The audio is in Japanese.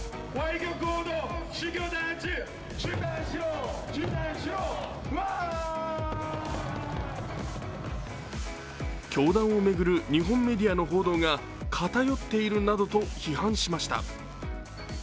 教団を巡る日本メディアの報道が偏っているなどと批判しました。